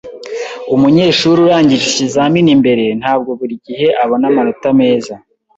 Umunyeshuri urangije ikizamini mbere ntabwo buri gihe abona amanota meza.